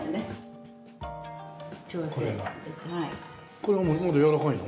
これはまだやわらかいの？